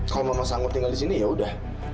kalau mama sanggup tinggal di sini yaudah